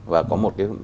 và có một cái